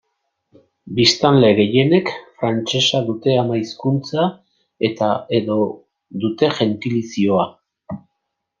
Biztanle gehienek frantsesa dute ama hizkuntza eta edo dute jentilizioa.